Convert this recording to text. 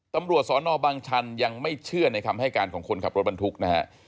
ตำรวจสนบางชันยังไม่เชื่อในคำให้การของคนขับรถบรรทุกนะฮะ